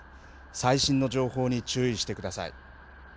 最新の情報に注意してください。